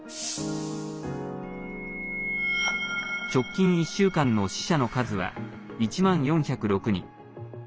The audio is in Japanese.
直近１週間の死者の数は１万４０６人。